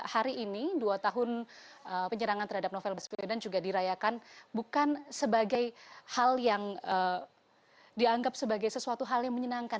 hari ini dua tahun penyerangan terhadap novel baswedan juga dirayakan bukan sebagai hal yang dianggap sebagai sesuatu hal yang menyenangkan